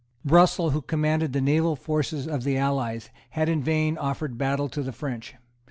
Russell, who commanded the naval forces of the allies, had in vain offered battle to the French.